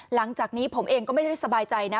หลังจากนี้ผมเองก็ไม่ได้สบายใจนะ